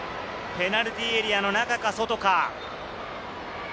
ペナルティーエリアの中か外か。